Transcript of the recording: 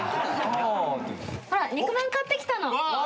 ほら肉まん買ってきたの。